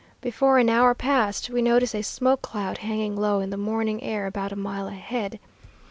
Before an hour passed, we noticed a smoke cloud hanging low in the morning air about a mile ahead.